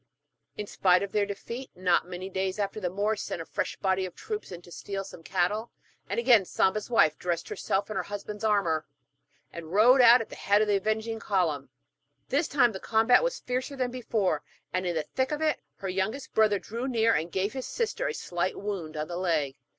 In spite of their defeat, not many days after the Moors sent a fresh body of troops to steal some cattle, and again Samba's wife dressed herself in her husband's armour, and rode out at the head of the avenging column. This time the combat was fiercer than before, and in the thick of it her youngest brother drew near, and gave his sister a slight wound on the leg.